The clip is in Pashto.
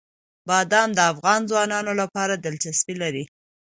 بادام د افغان ځوانانو لپاره دلچسپي لري.